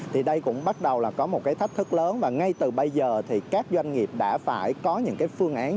thì đây cũng bắt đầu là có một cái thách thức lớn và ngay từ bây giờ thì các doanh nghiệp đã phải có những cái phương án